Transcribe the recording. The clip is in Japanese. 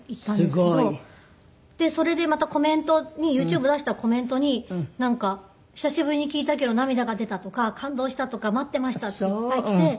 すごい。それでまたコメントにＹｏｕＴｕｂｅ出したコメントになんか久しぶりに聴いたけど涙が出たとか感動したとか待っていましたっていっぱい来て。